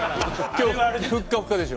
今日ふっかふかでしょ。